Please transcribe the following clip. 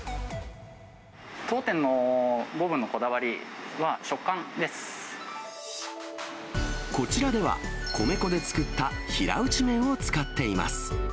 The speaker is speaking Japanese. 当店のボブンのこだわりは食こちらでは、米粉で作った平打ち麺を使っています。